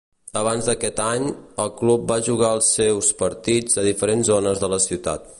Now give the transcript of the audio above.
Abans d'aquest any, el club va jugar els seus partits a diferents zones de la ciutat.